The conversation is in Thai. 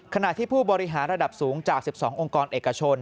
ขณะที่ผู้บริหารระดับสูงจาก๑๒องค์กรเอกชน